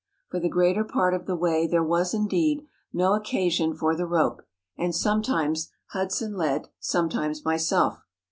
For the greater part of the way there was, indeed, no occa¬ sion for the rope; and sometimes Hudson led, some¬ times myself.